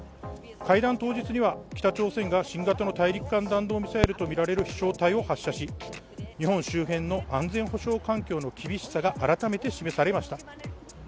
会談当日には北朝鮮が新型の大陸間弾道ミサイルとみられる飛しょう体を発射し日本周辺の安全保障環境の厳しさが改めて示されました。